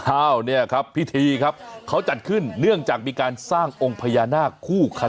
ข้าวเนี่ยครับพิธีครับเขาจัดขึ้นเนื่องจากมีการสร้างองค์พญานาคคู่ข